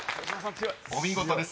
［お見事です。